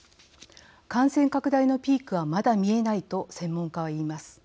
感染拡大のピークはまだ見えないと専門家は言います。